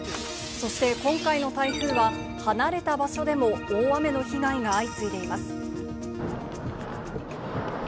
そして、今回の台風は、離れた場所でも大雨の被害が相次いでいます。